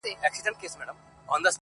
د شنو طوطیانو د کلونو کورګی!.